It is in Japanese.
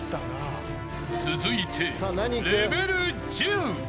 続いてレベル１０。